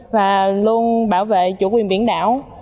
và luôn bảo vệ chủ quyền biển đảo